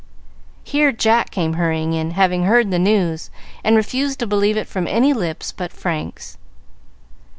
Here Jack came hurrying in, having heard the news, and refused to believe it from any lips but Frank's.